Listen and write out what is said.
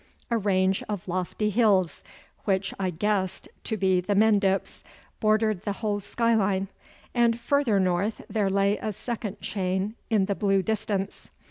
A range of lofty hills, which I guessed to be the Mendips, bordered the whole skyline, and further north there lay a second chain in the blue distance.